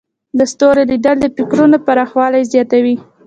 د ستورو لیدل د فکرونو پراخوالی زیاتوي.